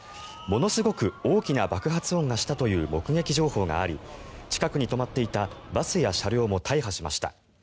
ものすごく大きな爆発音がしたという目撃情報があり近くに止まっていたバスや車両も大破しました。